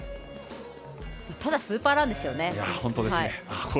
ただ、スーパーランですよね。